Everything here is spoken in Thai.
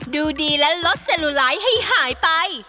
ดูดีและลดสลูไลท์ให้หายไป